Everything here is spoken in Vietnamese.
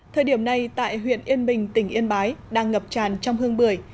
thời điểm này tại huyện yên bình tỉnh yên bái đang ngập tràn trong hương bưởi